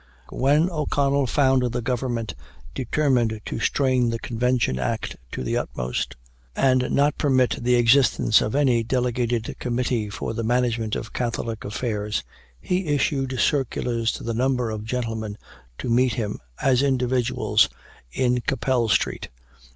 When O'Connell found the Government determined to strain the Convention Act to the utmost, and not permit the existence of any delegated committee for the management of Catholic affairs, he issued circulars to a number of gentlemen to meet him, as individuals, in Capel street.